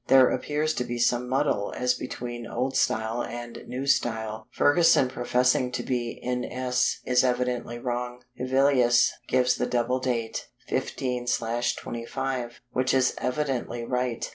There appears to be some muddle as between "old style" and "new style." Ferguson professing to be N.S. is evidently wrong. Hevelius gives the double date, 15/25, which is evidently right.